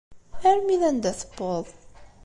Armi d anda tewweḍ?